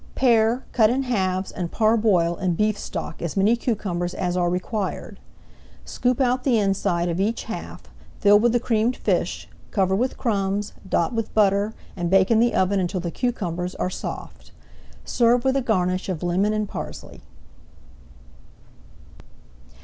Pare, cut in halves, and parboil in beef stock [Page 182] as many cucumbers as are required. Scoop out the inside of each half, fill with the creamed fish, cover with crumbs, dot with butter, and bake in the oven until the cucumbers are soft. Serve with a garnish of lemon and parsley.